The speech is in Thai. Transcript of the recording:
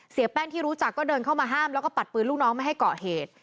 แป้งที่รู้จักก็เดินเข้ามาห้ามแล้วก็ปัดปืนลูกน้องไม่ให้เกาะเหตุ